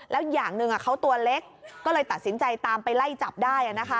แล้วอย่างหนึ่งเขาตัวเล็กก็เลยตัดสินใจตามไปไล่จับได้